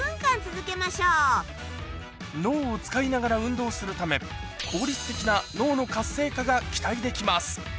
脳を使いながら運動するため効率的なが期待できます